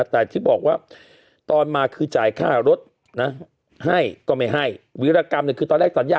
แต่ที่บอกว่าตอนมาคือจ่ายค่ารถนะให้ก็ไม่ให้วิรากรรมเนี่ยคือตอนแรกสัญญา